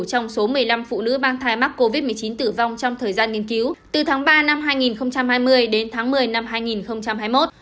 trong số một mươi năm phụ nữ mang thai mắc covid một mươi chín tử vong trong thời gian nghiên cứu từ tháng ba năm hai nghìn hai mươi đến tháng một mươi năm hai nghìn hai mươi một